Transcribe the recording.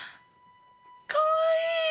かわいい！